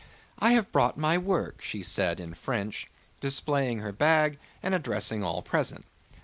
"I have brought my work," said she in French, displaying her bag and addressing all present.